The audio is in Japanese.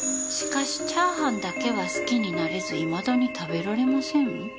「しかしチャーハンだけは好きになれず未だに食べられません」